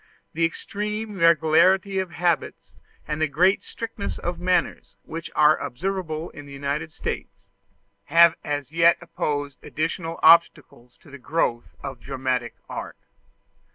The extreme regularity of habits and the great strictness of manners which are observable in the United States, have as yet opposed additional obstacles to the growth of dramatic art.